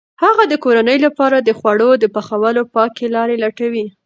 هغه د کورنۍ لپاره د خوړو د پخولو پاکې لارې لټوي.